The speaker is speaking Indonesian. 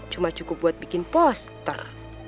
cuma cukup buat bikin poster